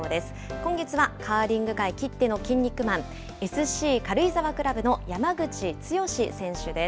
今月は、カーリング界きっての筋肉マン、ＳＣ軽井沢クラブの山口剛史選手です。